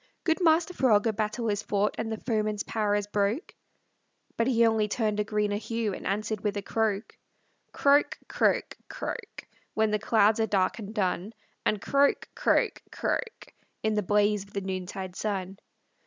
"Good Master Frog, a battle is fought, And the foeman's power is broke." But he only turned a greener hue, And answered with a croak. Croak, croak, croak, When the clouds are dark and dun, And croak, croak, croak, In the blaze of the noontide sun.